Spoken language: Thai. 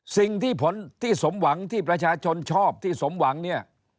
สิ่งที่ผลที่สมหวังที่ประชาชนชอบที่สมหวังเนี่ย